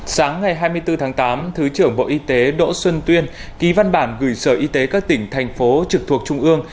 sáng ngày hai mươi bốn tháng tám thứ trưởng bộ y tế đỗ xuân tuyên ký văn bản gửi sở y tế các tỉnh thành phố trực thuộc trung ương